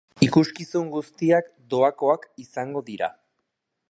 Ikuskizun guztiak doakoak izango dira.